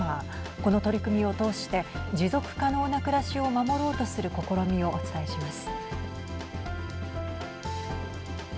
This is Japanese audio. この取り組みを通して持続可能な暮らしを守ろうとする試みをお伝えします。